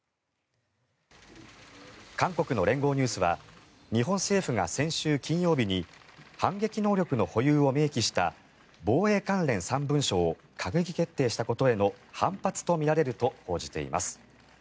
韓国の連合ニュースは日本政府が先週金曜日に反撃能力の保有を明記した防衛関連３文書を閣議決定したことへの反発とみられると報じています。